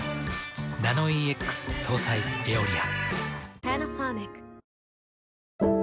ナノイーＸ搭載「エオリア」。